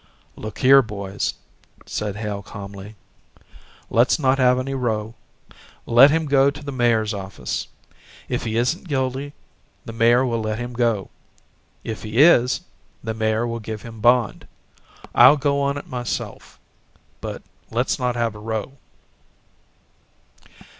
"Look here, boys," said Hale calmly. "Let's not have any row. Let him go to the mayor's office. If he isn't guilty, the mayor will let him go. If he is, the mayor will give him bond. I'll go on it myself. But let's not have a row."